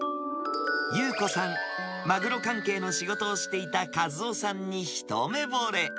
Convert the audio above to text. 優子さん、マグロ関係の仕事をしていた一夫さんに一目ぼれ。